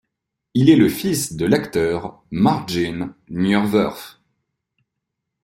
Il est le fils de l'acteur Martjin Nieuwerf.